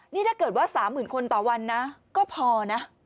นี่ถ้าเกิดว่า๓๐๐๐คนต่อวันนะก็พอนะ